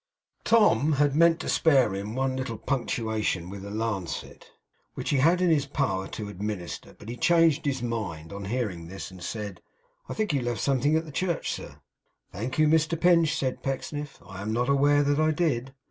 Tom had meant to spare him one little puncturation with a lancet, which he had it in his power to administer, but he changed his mind on hearing this, and said: 'I think you left something in the church, sir.' 'Thank you, Mr Pinch,' said Pecksniff. 'I am not aware that I did.